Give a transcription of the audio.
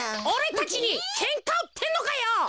おれたちにけんかうってんのかよ！